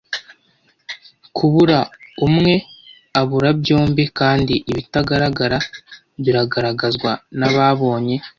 Kubura umwe abura byombi, kandi ibitagaragara bigaragazwa nababonye,